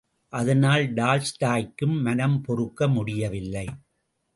அதனால் டால்ஸ்டாயிக்கும் மனம் பொறுக்க முடியவில்லை.